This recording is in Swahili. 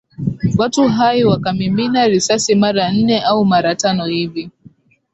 Watu hai wakamimina risasi mara nne au mara tano hivi